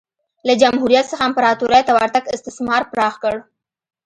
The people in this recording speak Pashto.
له جمهوریت څخه امپراتورۍ ته ورتګ استثمار پراخ کړ